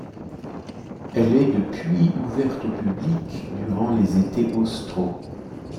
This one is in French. Elle est, depuis, ouverte au public durant les étés austraux.